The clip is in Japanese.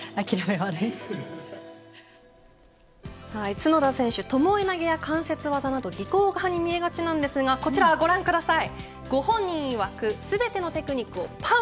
角田選手ともえ投げや関節技など技巧派に見えがちなんですがこちらご覧ください。